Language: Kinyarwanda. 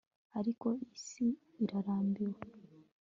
Ariko iyi si irarambiwe